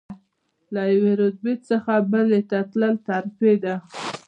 له یوې رتبې څخه بلې ته تلل ترفیع ده.